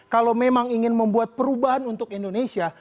kalau memang ingin membuat perubahan untuk indonesia